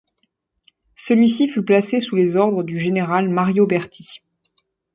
Celui-ci fut placé sous les ordres du général Mario Berti.